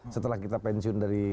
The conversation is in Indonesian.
setelah kita pensiun dari